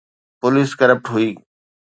Police corrupt هئي.